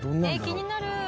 気になる。